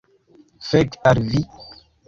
Fek al vi!